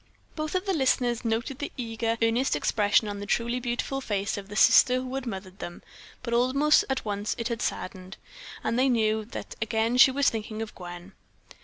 Both of the listeners noted the eager, earnest expression on the truly beautiful face of the sister who had mothered them, but almost at once it had saddened, and they knew that again she was thinking of Gwen.